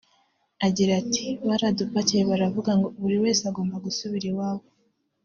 Agira ati“baradupakiye baravuga ngo buri wese agomba gusubira iwabo